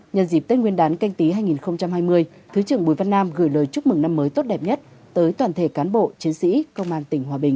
nhân dịp tết nguyên đán canh tí hai nghìn hai mươi thứ trưởng bùi văn nam gửi lời chúc mừng năm mới tốt đẹp nhất tới toàn thể cán bộ chiến sĩ công an tỉnh hòa bình